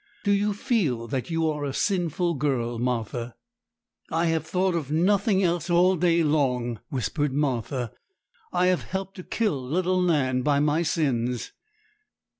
Do you feel that you are a sinful girl, Martha?' 'I have thought of nothing else all day long,' whispered Martha; 'I have helped to kill little Nan by my sins.'